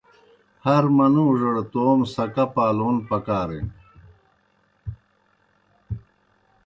ہر منُوڙَڑ توموْ سکا پالون پکارِن۔